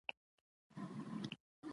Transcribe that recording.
علیشه، لنگر، کولک، شیخ یاسین.